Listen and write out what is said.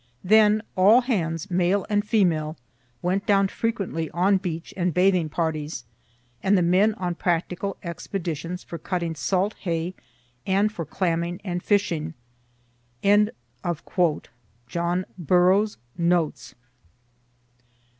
Then all hands, male and female, went down frequently on beach and bathing parties, and the men on practical expeditions for cutting salt hay, and for clamming and fishing." John Burroughs's NOTES.